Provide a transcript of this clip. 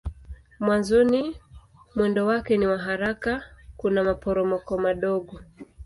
Mwanzoni mwendo wake ni wa haraka kuna maporomoko madogo.